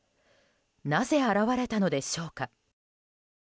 なぜ現れたのでしょうか。